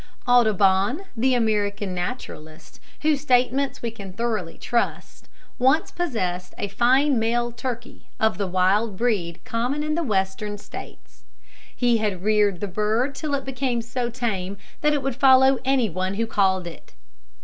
Audubon, the American naturalist, whose statements we can thoroughly trust, once possessed a fine male turkey of the wild breed common in the Western States. He had reared the bird till it became so tame that it would follow any one who called it.